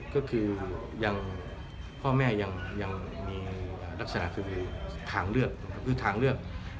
ก็คือยังพ่อแม่ยังมีลักษณะคือทางเลือก